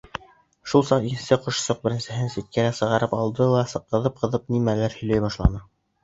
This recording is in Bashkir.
Шул саҡ икенсе ҡошсоҡ беренсеһен ситкәрәк саҡырып алды ла ҡыҙып-ҡыҙып, нимәлер һөйләй башланы.